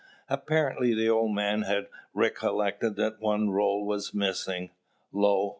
Apparently the old man had recollected that one roll was missing. Lo!